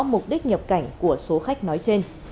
mục đích nhập cảnh của số khách nói trên